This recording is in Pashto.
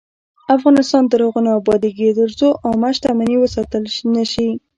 افغانستان تر هغو نه ابادیږي، ترڅو عامه شتمني وساتل نشي.